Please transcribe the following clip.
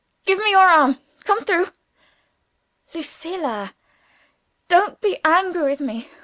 Give me your arm. Come through!" "Lucilla!" "Don't be angry with me.